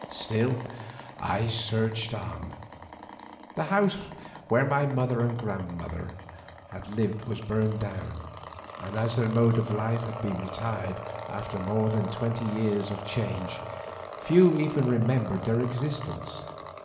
Still I searched on. The house where my mother and grandmother had lived was burned down, and as their mode of life had been retired, after more than twenty years of change few even remembered their existence.